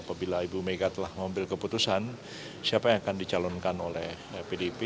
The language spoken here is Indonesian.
apabila ibu mega telah mengambil keputusan siapa yang akan dicalonkan oleh pdip